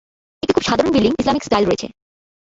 একটি খুব সাধারণ বিল্ডিং ইসলামিক স্টাইল রয়েছে।